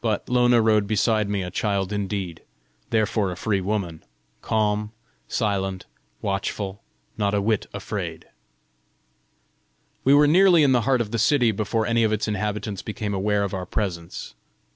But Lona rode beside me a child indeed, therefore a free woman calm, silent, watchful, not a whit afraid! We were nearly in the heart of the city before any of its inhabitants became aware of our presence.